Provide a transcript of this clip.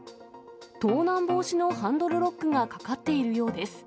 盗難防止のハンドルロックがかかっているようです。